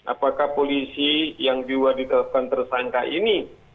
apakah polisi yang diwadidkan tersangka ini